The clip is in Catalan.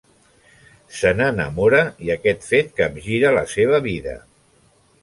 Se n'enamora i aquest fet capgira la seva vida.